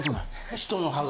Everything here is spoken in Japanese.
人の歯が。